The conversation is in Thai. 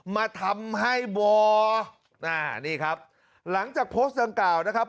มาทำให้วออ่านี่ครับหลังจากโพสต์ดังกล่าวนะครับ